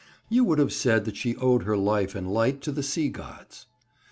You would have said that she owed her life and light to the sea gods.